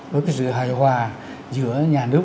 với cái sự hài hòa giữa nhà nước